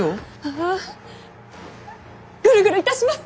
あぁぐるぐるいたします。